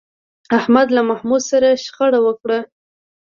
احمد له محمود سره شخړه وکړه